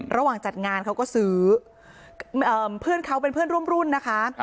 จัดงานเขาก็ซื้อเพื่อนเขาเป็นเพื่อนร่วมรุ่นนะคะ